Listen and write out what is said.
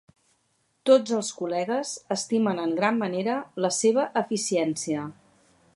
Tots els col·legues estimen en gran manera la seva eficiència.